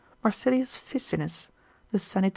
9, Marsilius Ficinus, de sanit.